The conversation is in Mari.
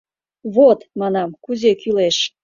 — Вот, — манам, — кузе кӱлеш!